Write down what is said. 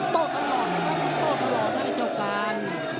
โต๊ะทั้งหมดโต๊ะทั้งหมดโต๊ะทั้งหมดไอ้เจ้าการ